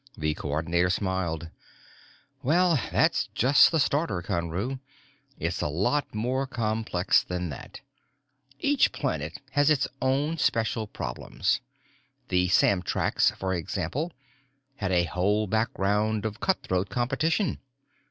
The Coordinator smiled. "Well, that's just the starter, Conru. It's a lot more complex than that. Each planet has its own special problems. The Samtraks, for example, had a whole background of cutthroat competition.